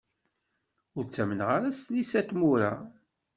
Ur ttamneɣ ara s tlisa d tmura.